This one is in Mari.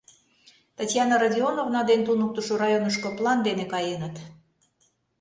Татьяна Родионовна ден туныктышо районышко план дене каеныт.